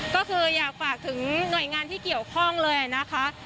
ก็คืออยากฝากถึงหน่วยงานที่เกี่ยวข้องเลยนะคะ